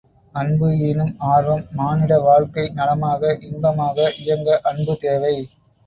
அன்பு ஈனும் ஆர்வம் மானிட வாழ்க்கை நலமாக, இன்பமாக இயங்க அன்பு தேவை.